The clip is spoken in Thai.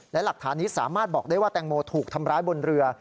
และหลักฐานนี้สามารถบอกได้ว่าแตงโมถูกทำร้ายบนเรือ